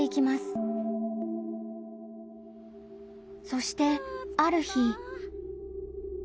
そしてある日。